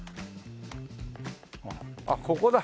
あっここだ。